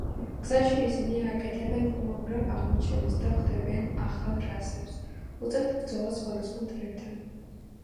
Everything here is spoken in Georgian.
გზაში ისინი აკეთებენ უამრავ აღმოჩენას და ხვდებიან ახალ რასებს, უწევთ ბრძოლა სხვადასხვა მტრებთან.